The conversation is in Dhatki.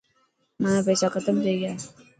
مايا پيسا ختم ٿي گيا.